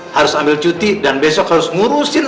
harus ambil cuti dan besok harus ngurusin